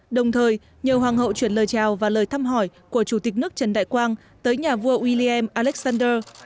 đồng thời nhiều hoàng hậu chuyển lời chào và lời thăm hỏi của chủ tịch nước trần đại quang tới nhà vua william alexander